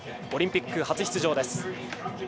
オリンピック初出場です。